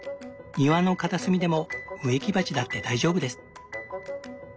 庭の片隅でも植木鉢だって大丈夫です」。